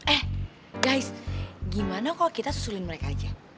eh guys gimana kok kita susulin mereka aja